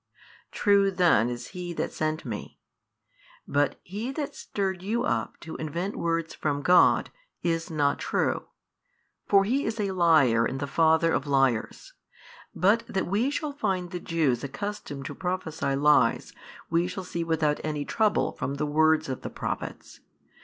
True then is He That sent Me, but he that stirred you up to invent words from God, is not true. For he is a liar, and the father of liars. But that we shall find the Jews accustomed to prophesy lies, we shall see without any trouble from the words of the Prophets.